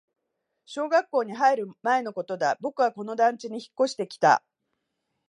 小学校に入る前のことだ、僕はこの団地に引っ越してきた